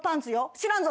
知らんぞ！